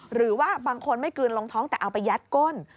หรือว่าบางคนไม่กลืนลงท้องแต่เอาไปยัดก้น